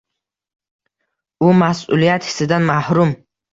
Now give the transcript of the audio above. U mas’uliyat hissidan mahrum.